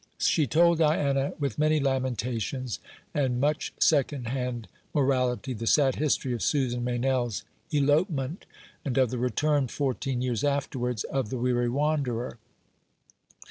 She told Diana, with many lamentations, and much second hand morality, the sad history of Susan Meynell's elopement, and of the return, fourteen years afterwards, of the weary wanderer.